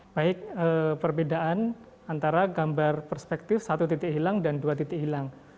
baik perbedaan antara gambar perspektif satu titik hilang dan dua titik hilang